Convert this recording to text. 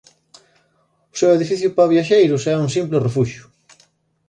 O seu edificio para viaxeiros é un simple refuxio.